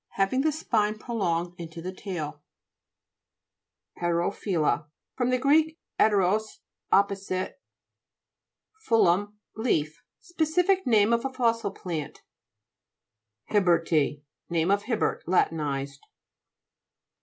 Having the spine prolonged into the tail (p. 49). HETERO'PHTLLA fr. gr. 'eteros, op posite, phullon, leaf. Specific name of a fossil plant (p. 53). HIBBERTI Name of Hibbert la tinized.